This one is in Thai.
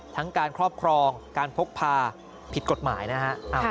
ทั้งการครอบครองการพกพาผิดกฎหมายนะฮะ